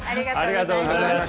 ありがとうございます。